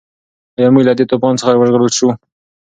ایا موږ له دې طوفان څخه وژغورل شوو؟